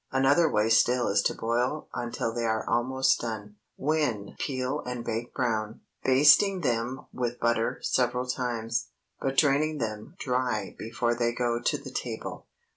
Another way still is to boil until they are almost done, when peel and bake brown, basting them with butter several times, but draining them dry before they go to the table.